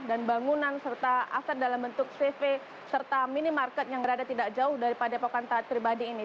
dan bangunan serta aset dalam bentuk cv serta minimarket yang berada tidak jauh daripada pokokan taat pribadi ini